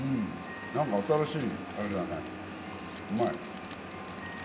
何か新しいあれだねうまい。